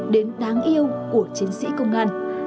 đến đáng yêu của chiến sĩ công an